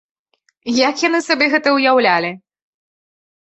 Як яны сабе гэта ўяўлялі?